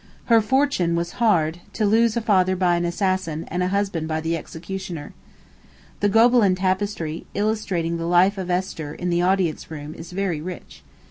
Her fortune was hard, to lose a father by an assassin, and a husband by the executioner. The Gobelin tapestry, illustrating the life of Esther, in the Audience Room, is very rich.